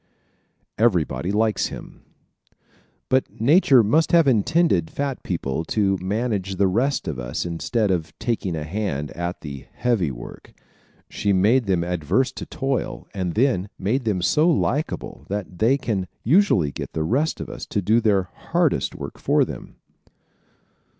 Everybody Likes Him ¶ But Nature must have intended fat people to manage the rest of us instead of taking a hand at the "heavy work." She made them averse to toil and then made them so likable that they can usually get the rest of us to do their hardest work for them.